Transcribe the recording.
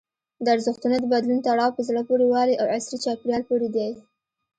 د ارزښتونو د بدلون تړاو په زړه پورې والي او عصري چاپېریال پورې دی.